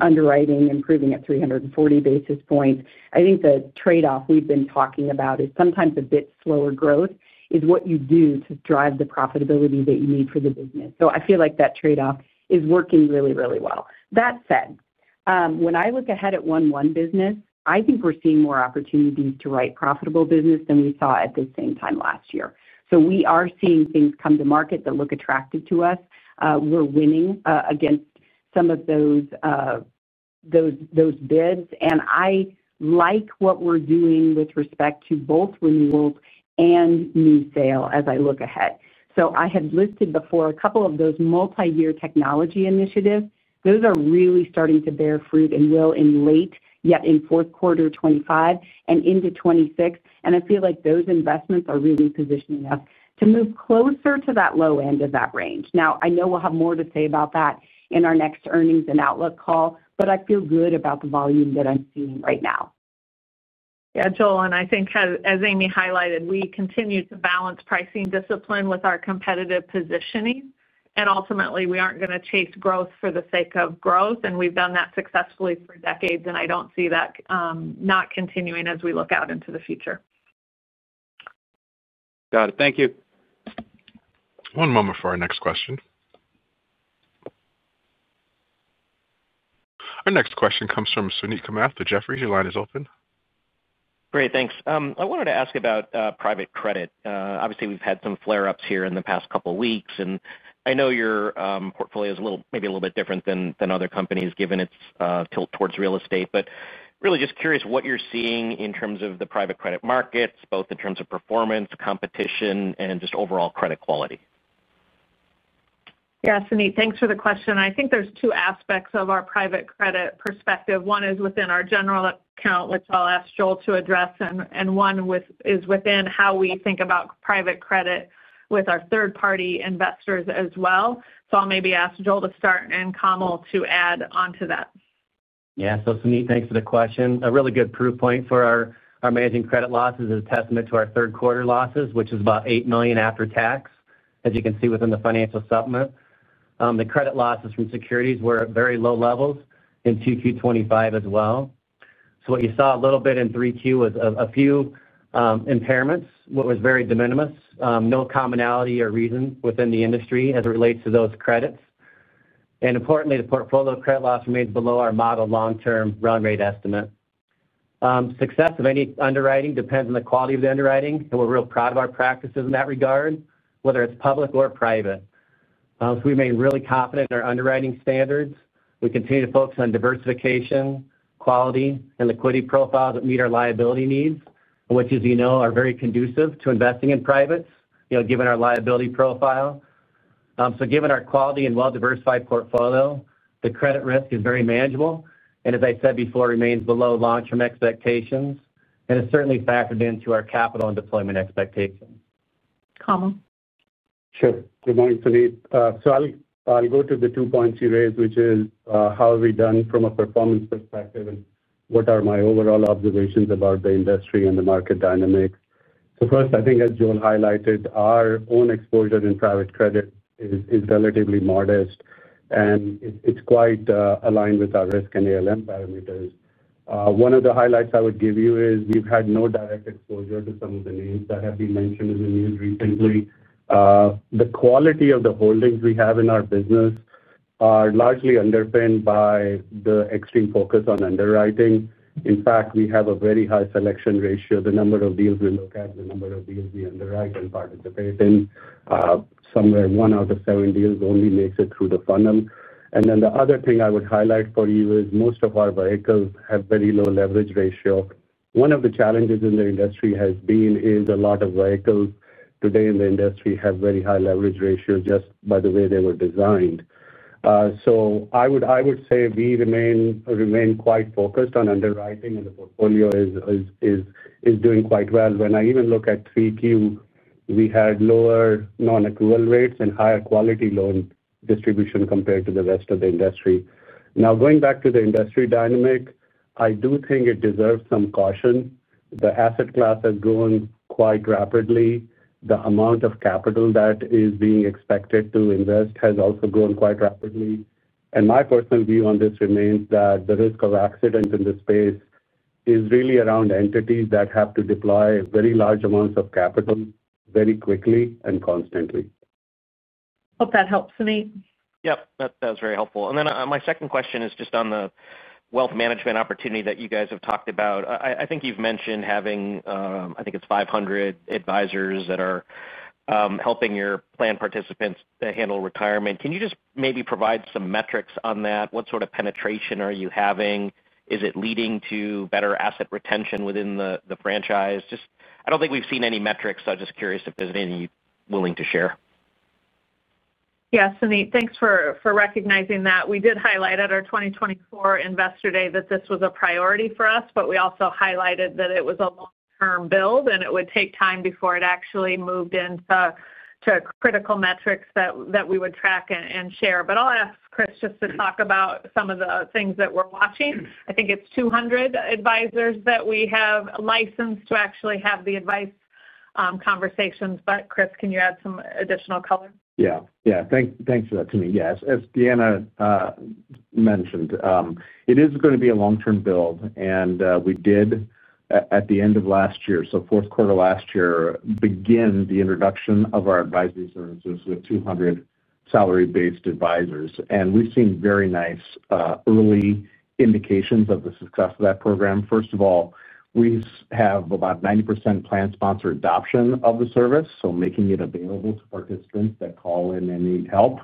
underwriting improving at 340 basis points, I think the trade-off we've been talking about is sometimes a bit slower growth is what you do to drive the profitability that you need for the business. I feel like that trade-off is working really, really well. That said, when I look ahead at 1/1 business, I think we're seeing more opportunities to write profitable business than we saw at the same time last year. We are seeing things come to market that look attractive to us. We're winning against some of those bids. I like what we're doing with respect to both renewals and new sale as I look ahead. I had listed before a couple of those multi-year technology initiatives. Those are really starting to bear fruit and will in late, yet in fourth quarter 2025 and into 2026. I feel like those investments are really positioning us to move closer to that low end of that range. I know we'll have more to say about that in our next earnings and outlook call, but I feel good about the volume that I'm seeing right now. Yeah, Joel, I think as Amy highlighted, we continue to balance pricing discipline with our competitive positioning. Ultimately, we aren't going to chase growth for the sake of growth. We've done that successfully for decades, and I don't see that not continuing as we look out into the future. Got it. Thank you. One moment for our next question. Our next question comes from Suneet Kamath with Jeffries, your line is open. Great, thanks. I wanted to ask about private credit. Obviously, we've had some flare-ups here in the past couple of weeks. I know your portfolio is maybe a little bit different than other companies, given its tilt towards real estate. I'm really just curious what you're seeing in terms of the private credit markets, both in terms of performance, competition, and just overall credit quality. Yeah, Suneet, thanks for the question. I think there's two aspects of our private credit perspective. One is within our general account, which I'll ask Joel to address. One is within how we think about private credit with our third-party investors as well. I'll maybe ask Joel to start and Kamal to add onto that. Yeah, Sunita, thanks for the question. A really good proof point for our managing credit losses is a testament to our third-quarter losses, which is about $8 million after tax, as you can see within the financial supplement. The credit losses from securities were at very low levels in Q2 2025 as well. What you saw a little bit in Q3 was a few impairments, which was very de minimis. No commonality or reason within the industry as it relates to those credits. Importantly, the portfolio credit loss remains below our model long-term run-rate estimate. Success of any underwriting depends on the quality of the underwriting. We're real proud of our practices in that regard, whether it's public or private. We remain really confident in our underwriting standards. We continue to focus on diversification, quality, and liquidity profiles that meet our liability needs, which, as you know, are very conducive to investing in privates, given our liability profile. Given our quality and well-diversified portfolio, the credit risk is very manageable. As I said before, it remains below long-term expectations and is certainly factored into our capital and deployment expectations. Kamal? Sure. Good morning, Suneet. I'll go to the two points you raised, which is how have we done from a performance perspective and what are my overall observations about the industry and the market dynamics. First, I think, as Joel highlighted, our own exposure in private credit is relatively modest. It's quite aligned with our risk and ALM parameters. One of the highlights I would give you is we've had no direct exposure to some of the names that have been mentioned in the news recently. The quality of the holdings we have in our business are largely underpinned by the extreme focus on underwriting. In fact, we have a very high selection ratio. The number of deals we look at, the number of deals we underwrite and participate in, somewhere one out of seven deals only makes it through the funnel. The other thing I would highlight for you is most of our vehicles have very low leverage ratio. One of the challenges in the industry has been a lot of vehicles today in the industry have very high leverage ratios just by the way they were designed. I would say we remain quite focused on underwriting, and the portfolio is doing quite well. When I even look at Q3, we had lower non-accrual rates and higher quality loan distribution compared to the rest of the industry. Going back to the industry dynamic, I do think it deserves some caution. The asset class has grown quite rapidly. The amount of capital that is being expected to invest has also grown quite rapidly. My personal view on this remains that the risk of accidents in this space is really around entities that have to deploy very large amounts of capital very quickly and constantly. Hope that helps, Suneet. That was very helpful. My second question is just on the wealth management opportunity that you guys have talked about. I think you've mentioned having, I think it's 500 advisors that are helping your plan participants handle retirement. Can you just maybe provide some metrics on that? What sort of penetration are you having? Is it leading to better asset retention within the franchise? I don't think we've seen any metrics, so I'm just curious if there's anything you're willing to share. Yeah, Sunita, thanks for recognizing that. We did highlight at our 2024 Investor Day that this was a priority for us, and we also highlighted that it was a long-term build and it would take time before it actually moved into critical metrics that we would track and share. I'll ask Chris just to talk about some of the things that we're watching. I think it's 200 advisors that we have licensed to actually have the advice conversations. Chris, can you add some additional color? Yeah, thanks for that, Suneet. As Deanna mentioned, it is going to be a long-term build. We did, at the end of last year, so fourth quarter last year, begin the introduction of our advisory services with 200 salary-based advisors. We've seen very nice early indications of the success of that program. First of all, we have about 90% plan sponsor adoption of the service, making it available to participants that call in and need help.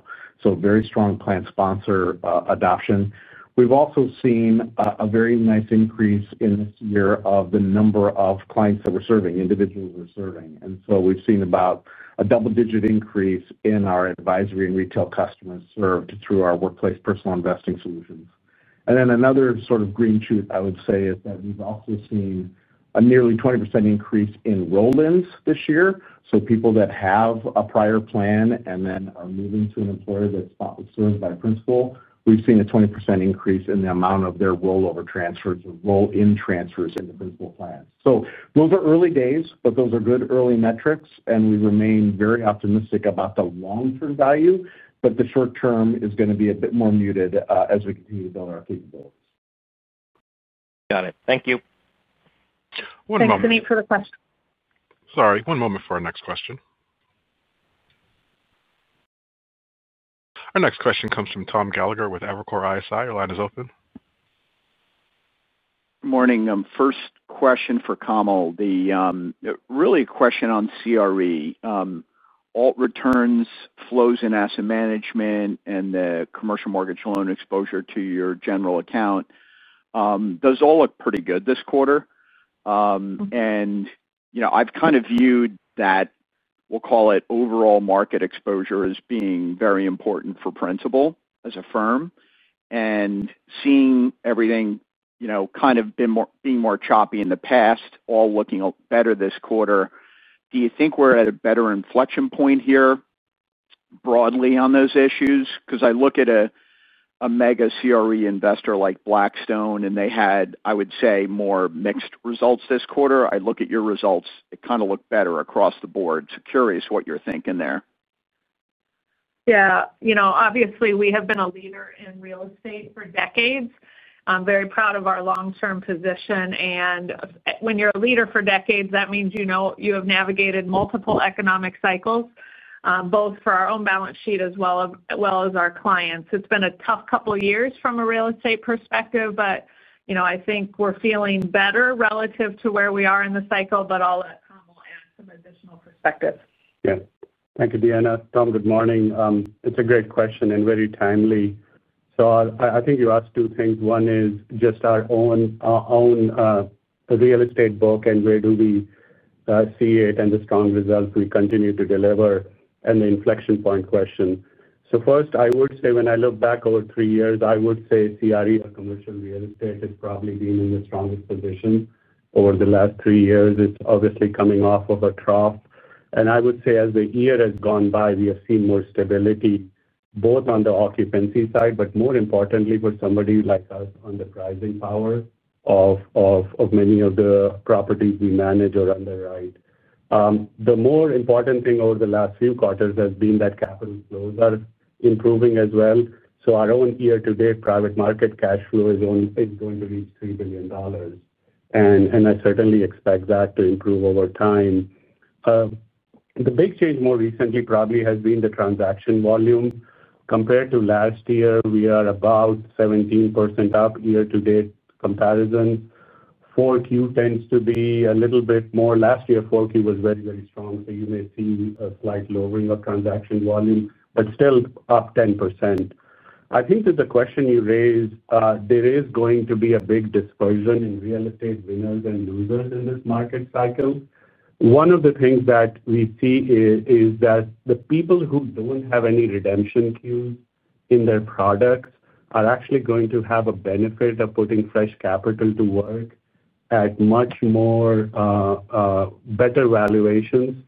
Very strong plan sponsor adoption. We've also seen a very nice increase this year in the number of clients that we're serving, individuals we're serving. We've seen about a double-digit increase in our advisory and retail customers served through our workplace personal investing solutions. Another sort of green shoot, I would say, is that we've also seen a nearly 20% increase in roll-ins this year. People that have a prior plan and then are moving to an employer that's not served by Principal, we've seen a 20% increase in the amount of their rollover transfers and roll-in transfers into Principal plans. Those are early days, but those are good early metrics. We remain very optimistic about the long-term value, but the short term is going to be a bit more muted as we continue to build our capabilities. Got it. Thank you. Thanks, Suneet, for the question. Sorry, one moment for our next question. Our next question comes from Tom Gallagher with Evercore ISI. Your line is open. Morning. First question for Kamal. The question on CRE, all returns, flows in asset management, and the commercial mortgage loan exposure to your general account. Those all look pretty good this quarter. I've kind of viewed that, we'll call it overall market exposure as being very important for Principal as a firm. Seeing everything kind of being more choppy in the past, all looking better this quarter, do you think we're at a better inflection point here broadly on those issues? I look at a mega CRE investor like Blackstone, and they had, I would say, more mixed results this quarter. I look at your results. It kind of looked better across the board. Curious what you're thinking there. Yeah, you know, obviously, we have been a leader in real estate for decades. I'm very proud of our long-term position. When you're a leader for decades, that means you know you have navigated multiple economic cycles, both for our own balance sheet as well as our clients. It's been a tough couple of years from a real estate perspective, you know I think we're feeling better relative to where we are in the cycle. I'll let Kamal add some additional perspective. Yeah, thank you, Deanna. Tom, good morning. It's a great question and very timely. I think you asked two things. One is just our own real estate book and where do we see it and the strong results we continue to deliver and the inflection point question. First, I would say when I look back over three years, I would say CRE or commercial real estate has probably been in the strongest position over the last three years. It's obviously coming off of a trough. I would say as the year has gone by, we have seen more stability both on the occupancy side, but more importantly for somebody like us on the pricing power of many of the properties we manage or underwrite. The more important thing over the last few quarters has been that capital flows are improving as well. Our own year-to-date private market cash flow is going to reach $3 billion. I certainly expect that to improve over time. The big change more recently probably has been the transaction volume. Compared to last year, we are about 17% up year-to-date comparisons. Q4 tends to be a little bit more. Last year, Q4 was very, very strong. You may see a slight lowering of transaction volume, but still up 10%. I think that the question you raised, there is going to be a big dispersion in real estate winners and losers in this market cycle. One of the things that we see is that the people who don't have any redemption queues in their products are actually going to have a benefit of putting fresh capital to work at much more better valuations.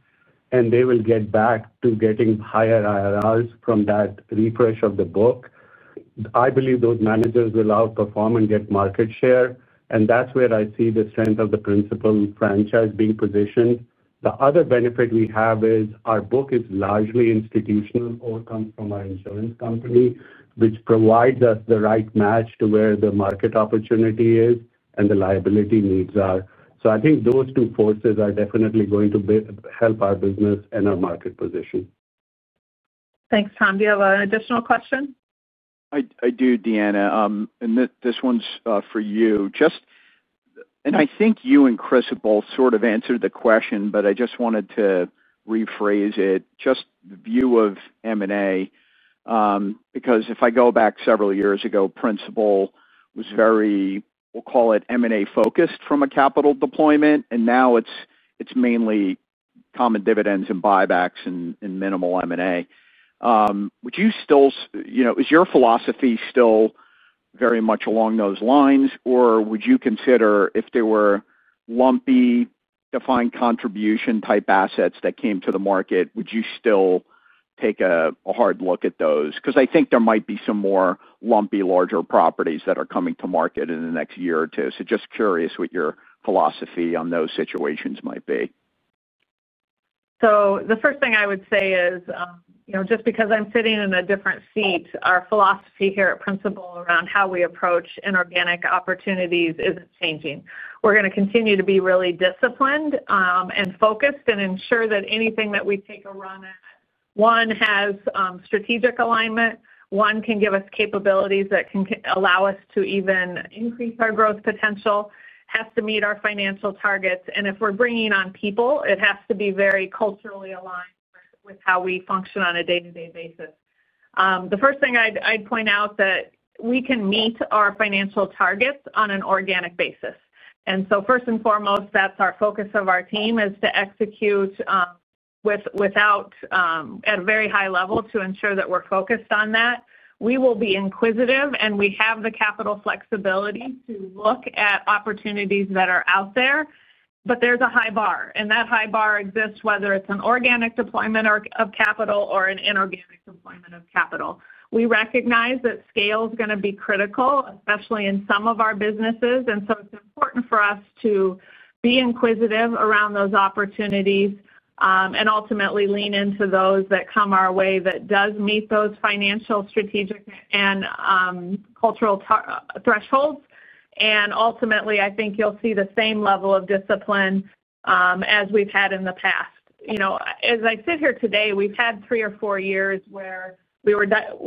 They will get back to getting higher IRRs from that refresh of the book. I believe those managers will outperform and get market share. That's where I see the strength of the Principal franchise being positioned. The other benefit we have is our book is largely institutional or comes from our insurance company, which provides us the right match to where the market opportunity is and the liability needs are. I think those two forces are definitely going to help our business and our market position. Thanks, Tom. Do you have an additional question? I do, Deanna. This one's for you. I think you and Chris have both sort of answered the question, but I just wanted to rephrase it. The view of M&A, because if I go back several years ago, Principal was very, we'll call it M&A-focused from a capital deployment. Now it's mainly common dividends and buybacks and minimal M&A. Would you still, you know, is your philosophy still very much along those lines? Would you consider, if there were lumpy defined contribution-type assets that came to the market, would you still take a hard look at those? I think there might be some more lumpy larger properties that are coming to market in the next year or two. Just curious what your philosophy on those situations might be. The first thing I would say is, just because I'm sitting in a different seat, our philosophy here at Principal Financial Group around how we approach inorganic opportunities isn't changing. We're going to continue to be really disciplined and focused and ensure that anything that we take a run at, one, has strategic alignment, can give us capabilities that can allow us to even increase our growth potential, has to meet our financial targets, and if we're bringing on people, it has to be very culturally aligned with how we function on a day-to-day basis. The first thing I'd point out is that we can meet our financial targets on an organic basis. First and foremost, that's the focus of our team, to execute at a very high level to ensure that we're focused on that. We will be inquisitive, and we have the capital flexibility to look at opportunities that are out there. There's a high bar, and that high bar exists whether it's an organic deployment of capital or an inorganic deployment of capital. We recognize that scale is going to be critical, especially in some of our businesses. It's important for us to be inquisitive around those opportunities and ultimately lean into those that come our way that do meet those financial, strategic, and cultural thresholds. Ultimately, I think you'll see the same level of discipline as we've had in the past. As I sit here today, we've had three or four years where we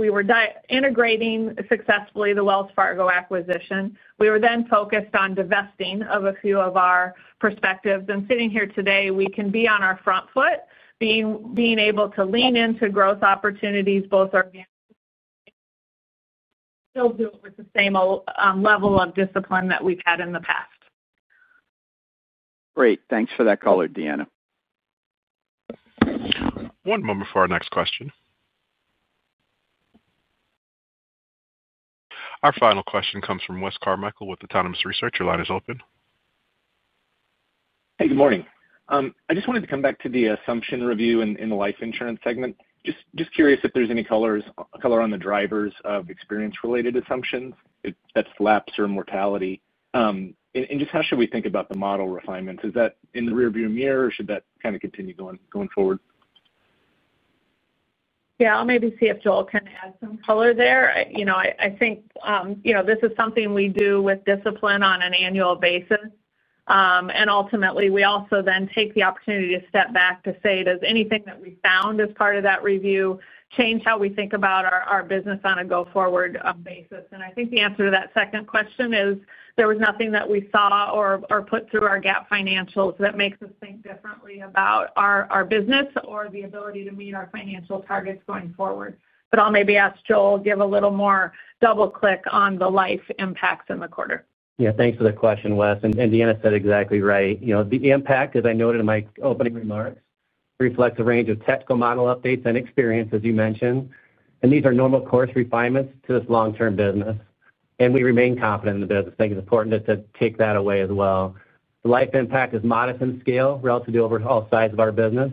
were integrating successfully the Wells Fargo acquisition. We were then focused on divesting of a few of our perspectives. Sitting here today, we can be on our front foot, being able to lean into growth opportunities, both organic and strategic, and still do it with the same level of discipline that we've had in the past. Great. Thanks for that color, Deanna. One moment for our next question. Our final question comes from Wes Carmichael with Autonomous Research. Your line is open. Hey, good morning. I just wanted to come back to the assumption review in the life insurance segment. Just curious if there's any color on the drivers of experience-related assumptions, if that's the lapse or mortality. How should we think about the model refinements? Is that in the rearview mirror, or should that kind of continue going forward? Yeah, I'll maybe see if Joel can add some color there. I think you know this is something we do with discipline on an annual basis. Ultimately, we also then take the opportunity to step back to say, does anything that we found as part of that review change how we think about our business on a go-forward basis? I think the answer to that second question is there was nothing that we saw or put through our GAAP financials that makes us think differently about our business or the ability to meet our financial targets going forward. I'll maybe ask Joel to give a little more double-click on the life impacts in the quarter. Yeah, thanks for the question, Wes. Deanna said exactly right. The impact, as I noted in my opening remarks, reflects a range of technical model updates and experience, as you mentioned. These are normal course refinements to this long-term business. We remain confident in the business. I think it's important to take that away as well. The life impact is modest in scale relative to the overall size of our business.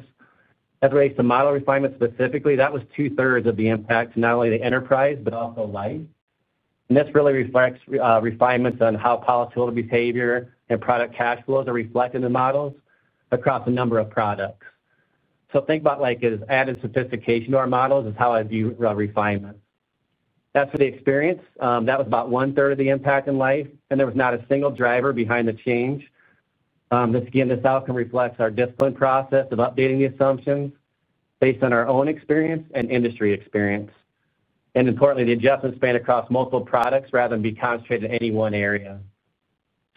As it relates to model refinements specifically, that was two-thirds of the impact, not only the enterprise, but also life. This really reflects refinements on how volatile behavior and product cash flows are reflected in the models across a number of products. Think about it like it is added sophistication to our models, is how I view refinements. As for the experience, that was about one-third of the impact in life, and there was not a single driver behind the change. This outcome reflects our disciplined process of updating the assumptions based on our own experience and industry experience. Importantly, the adjustments span across multiple products rather than be concentrated in any one area.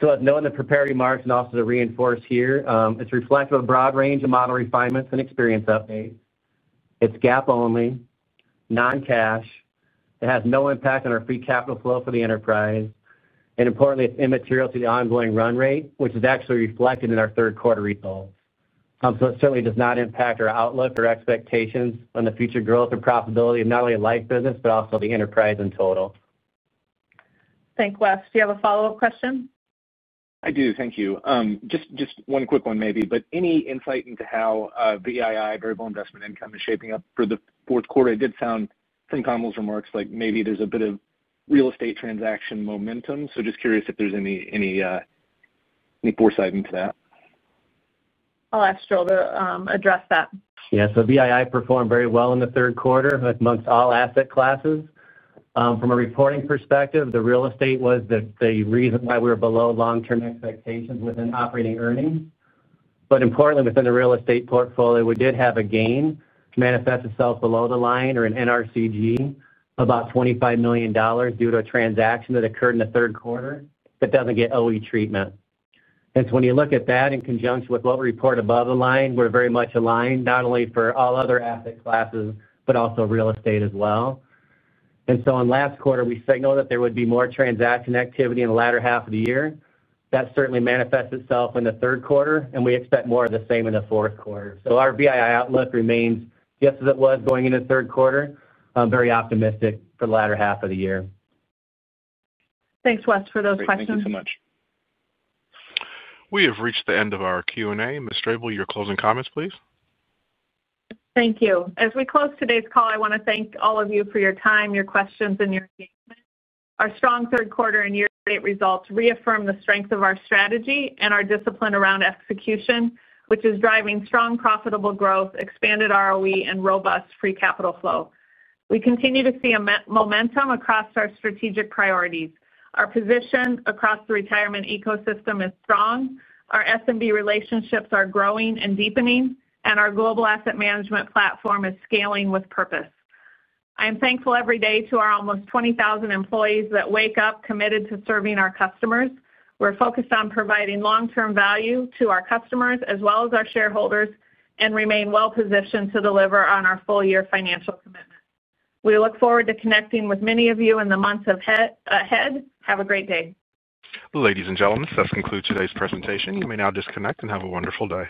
As noted in the prepared remarks and also to reinforce here, it's reflective of a broad range of model refinements and experience updates. It's GAAP only, non-cash. It has no impact on our free capital flow for the enterprise. Importantly, it's immaterial to the ongoing run rate, which is actually reflected in our third-quarter results. It certainly does not impact our outlook or expectations on the future growth and profitability of not only a life business, but also the enterprise in total. Thanks, Wes. Do you have a follow-up question? I do. Thank you. Just one quick one maybe. Any insight into how VII, variable investment income, is shaping up for the fourth quarter? It did sound from Kamal's remarks like maybe there's a bit of real estate transaction momentum. Just curious if there's any foresight into that. I'll ask Joel to address that. Yeah, VII performed very well in the third quarter amongst all asset classes. From a reporting perspective, the real estate was the reason why we were below long-term expectations within operating earnings. Importantly, within the real estate portfolio, we did have a gain manifest itself below the line or in NRCG, about $25 million due to a transaction that occurred in the third quarter that doesn't get OE treatment. When you look at that in conjunction with what we report above the line, we're very much aligned not only for all other asset classes, but also real estate as well. In last quarter, we signaled that there would be more transaction activity in the latter half of the year. That certainly manifests itself in the third quarter, and we expect more of the same in the fourth quarter. Our VII outlook remains, just as it was going into the third quarter, very optimistic for the latter half of the year. Thanks, Wes, for those questions. Thank you so much. We have reached the end of our Q&A. Ms. Strable, your closing comments, please. Thank you. As we close today's call, I want to thank all of you for your time, your questions, and your engagement. Our strong third quarter and year-to-date results reaffirm the strength of our strategy and our discipline around execution, which is driving strong profitable growth, expanded return on equity, and robust free capital flow. We continue to see momentum across our strategic priorities. Our position across the retirement ecosystem is strong. Our SMB relationships are growing and deepening, and our global asset management platform is scaling with purpose. I am thankful every day to our almost 20,000 employees that wake up committed to serving our customers. We're focused on providing long-term value to our customers as well as our shareholders and remain well-positioned to deliver on our full-year financial commitment. We look forward to connecting with many of you in the months ahead. Have a great day. Ladies and gentlemen, this concludes today's presentation. You may now disconnect and have a wonderful day.